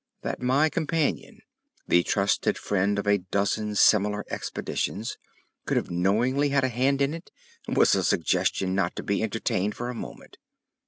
That my companion, the trusted friend of a dozen similar expeditions, could have knowingly had a hand in it, was a suggestion not to be entertained for a moment.